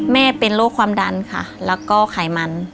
แม่เป็นโรคความดันค่ะแล้วก็ไขมัน